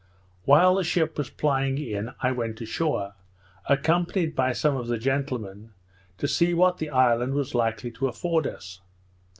While the ship was plying in, I went ashore, accompanied by some of the gentlemen, to see what the island was likely to afford us.